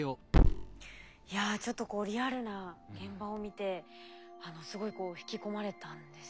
いやちょっとこうリアルな現場を見てすごいこう引き込まれたんですけれど。